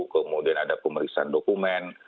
kemudian ada pemeriksaan dokumen